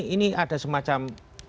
ini ada semacam